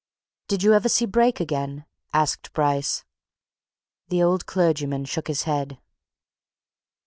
"Did you ever see Brake again?" asked Bryce. The old clergyman shook his head.